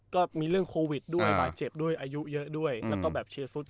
ก็มีเรื่องโควิดด้วยบาดเจ็บด้วยอายุเยอะด้วยแล้วก็แบบเชียร์สุด